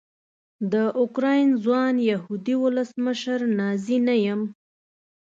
د اوکراین ځوان یهودي ولسمشر نازي نه یم.